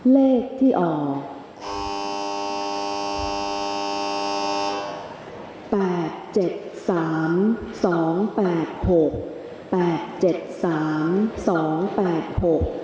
เลขที่ออก